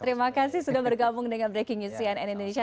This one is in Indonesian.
terima kasih sudah bergabung dengan breaking news cnn indonesia